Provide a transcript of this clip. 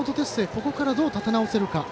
ここからどう立て直せるか。